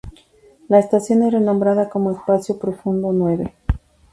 La estación es renombrada como Espacio Profundo Nueve.